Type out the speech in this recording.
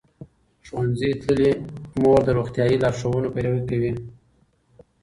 ښوونځې تللې مور د روغتیايي لارښوونو پیروي کوي.